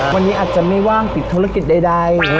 วันนี้อาจจะไม่ว่างปิดธุรกิจใด